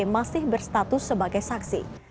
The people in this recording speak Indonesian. masih berstatus sebagai saksi